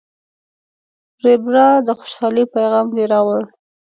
ریبراه، د خوشحالۍ پیغام دې راوړ.